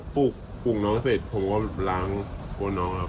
ปลุกน้องเสร็จผมก็ล้างน้อง